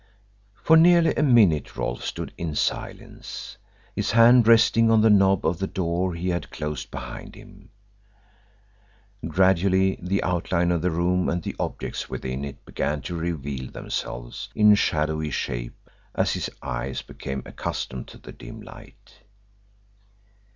For nearly a minute Rolfe stood in silence, his hand resting on the knob of the door he had closed behind him. Gradually the outline of the room and the objects within it began to reveal themselves in shadowy shape as his eyes became accustomed to the dim light.